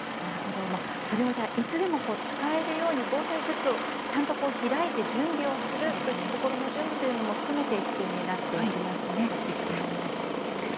それをいつでも使えるように防災グッズをちゃんと開いて準備をするという心の準備も含めて必要になってきますね。